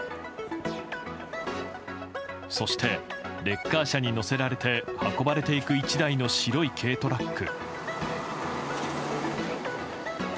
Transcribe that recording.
そして、レッカー車に載せられて運ばれていく１台の白い軽トラック。